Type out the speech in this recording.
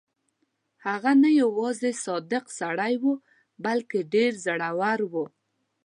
هغه نه یوازې صادق سړی وو بلکې ډېر زړه ور وو.